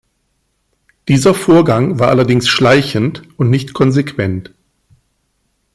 Dieser Vorgang war allerdings schleichend und nicht konsequent.